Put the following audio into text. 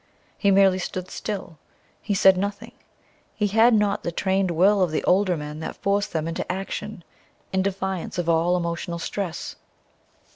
He merely stood still. He said nothing. He had not the trained will of the older men that forced them into action in defiance of all emotional stress.